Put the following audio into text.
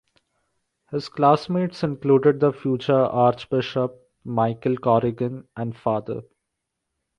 His classmates included the future archbishop Michael Corrigan and Fr.